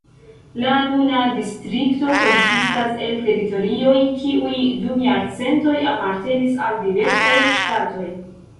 La nuna distrikto konsistas el teritorioj, kiuj dum jarcentoj apartenis al diversaj ŝtatoj.